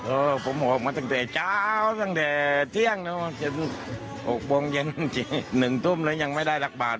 เออผมออกมาตั้งแต่เจ้าตั้งแต่เที่ยงนะครับเจ็บหกโปรงเย็นหนึ่งต้มเลยยังไม่ได้ลักบาท